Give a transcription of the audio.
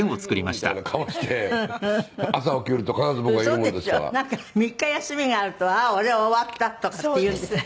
なんか３日休みがあると「ああー俺は終わった」とかって言うんですって？